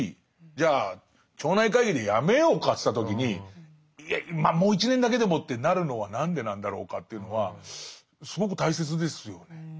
じゃあ町内会議でやめようかっていった時に「まあもう１年だけでも」ってなるのは何でなんだろうかというのはすごく大切ですよね。